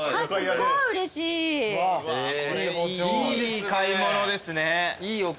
いい買い物ですね。